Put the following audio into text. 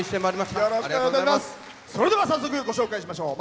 それでは早速ご紹介しましょう。